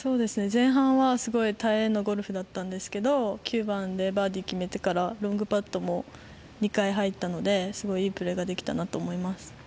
前半は、すごい大変なゴルフだったんですが９番でバーディーを決めてからロングパットも２回入ったのですごいいいプレーができたなと思います。